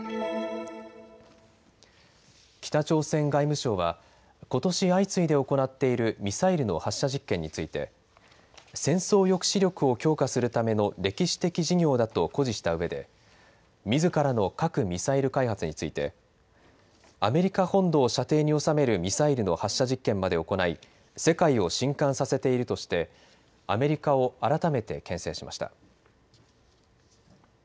北朝鮮外務省は、ことし相次いで行っているミサイルの発射実験について、戦争抑止力を強化するための歴史的事業だと誇示したうえで、みずからの核・ミサイル開発について、アメリカ本土を射程に収めるミサイルの発射実験まで行い、世界をしんかんさせているとして、アメリカを改めてけん制しました。